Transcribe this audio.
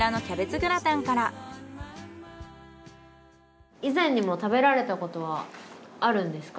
まずは以前にも食べられたことはあるんですか？